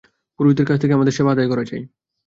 পুরুষদের কাছ থেকে আমাদের সেবা আদায় করা চাই।